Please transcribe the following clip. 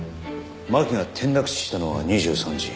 巻が転落死したのは２３時。